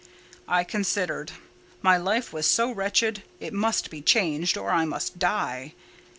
I considered; my life was so wretched, it must be changed, or I must die.